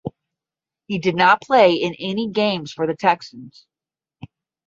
He did not play in any games for the Texans.